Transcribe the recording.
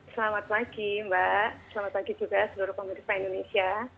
selamat pagi mbak selamat pagi juga seluruh pemerintah indonesia